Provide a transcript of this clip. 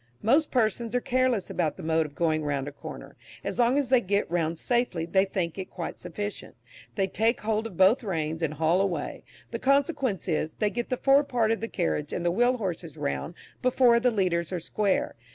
Most persons are careless about the mode of going round a corner; as long as they get round safely, they think it quite sufficient; they take hold of both reins and haul away; the consequence is, they get the fore part of the carriage and the wheel horses round before the leaders are square.